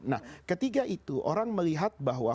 nah ketiga itu orang melihat bahwa